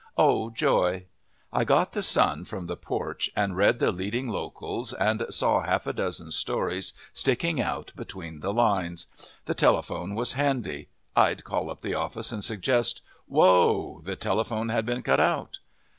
O joy! I got THE SUN from the porch and read the leading locals and saw half a dozen stories sticking out between the lines. The telephone was handy; I'd call up the office and suggest whoa! The telephone had been cut out.